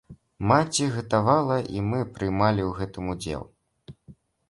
Маці гатавала, і мы прымалі ў гэтым удзел.